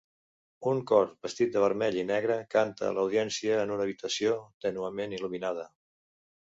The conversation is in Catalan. Un cor vestit de vermell i negre canta a l'audiència en una habitació tènuement il·luminada.